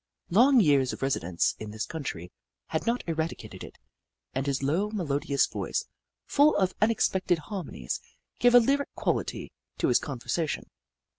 Long years of residence in this country had Hoop La 141 not eradicated it, and his low, melodious voice, full of unexpected harmonies, gave a lyric quality to his conversation.